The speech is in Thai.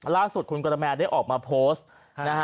ล่าสุดคุณกระแมนได้ออกมาโพสต์นะฮะ